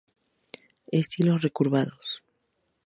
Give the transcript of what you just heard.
Estilos recurvados.